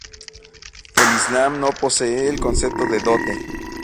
El Islam no posee el concepto de dote.